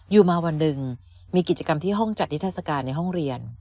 อยู่มาวันหนึ่งมีกิจกรรมที่ห้องจัดนิทัศกาลในห้องเรียน